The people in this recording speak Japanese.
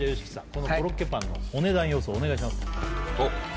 このコロッケパンのお値段予想お願いします